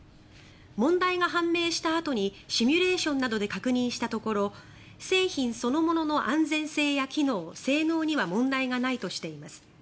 問題が判明したあとにシミュレーションなどで確認したところ製品そのものの安全性や機能・性能には問題がないとしています。